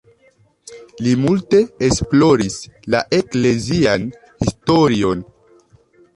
Li multe esploris la eklezian historion.